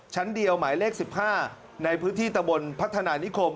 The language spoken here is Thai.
ชั้นเดียวหมายเลข๑๕ในพื้นที่ตะบนพัฒนานิคม